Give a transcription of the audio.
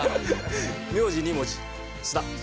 名字２文字菅田。